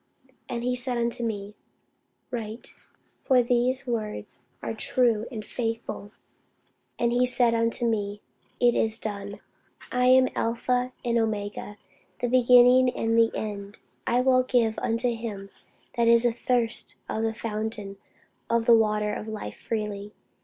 And he said unto me, Write: for these words are true and faithful. And he said unto me, It is done. I am Alpha and Omega, the beginning and the end. I will give unto him that is athirst of the fountain of the water of life freely.